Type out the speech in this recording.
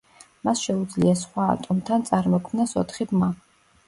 მას შეუძლია სხვა ატომთან წარმოქმნას ოთხი ბმა.